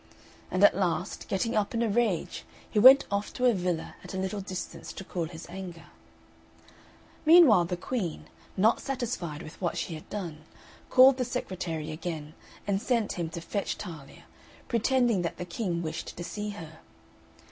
And at last, getting up in a rage, he went off to a villa at a little distance to cool his anger. Meanwhile the Queen, not satisfied with what she had done, called the secretary again, and sent him to fetch Talia, pretending that the King wished to see her.